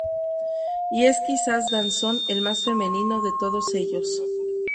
Y es quizás Danzón el más femenino de todos ellos.